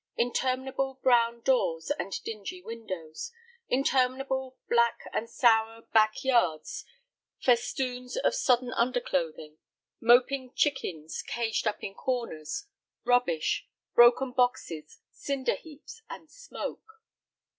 Interminable brown doors and dingy windows; interminable black and sour back yards, festoons of sodden underclothing, moping chickens caged up in corners, rubbish, broken boxes, cinder heaps, and smoke.